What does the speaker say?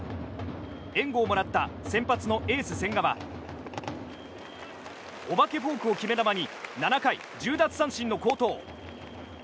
援護をもらった先発のエース千賀はお化けフォークを決め球に７回１０奪三振の好投。